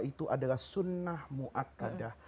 itu adalah sunnah mu'ad